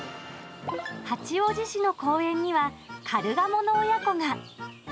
八王子市の公園には、カルガモの親子が。